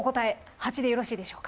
「蜂」でよろしいでしょうか？